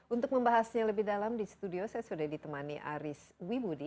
untuk membahasnya lebih dalam di studio saya sudah ditemani aris wibudi